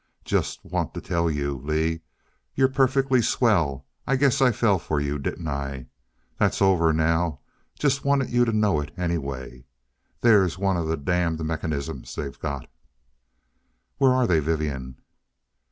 "Just want to tell you, Lee you're perfectly swell I guess I fell for you, didn't I? That's over now just wanted you to know it anyway. There's one of the damned mechanisms they've got " "Where are they, Vivian?"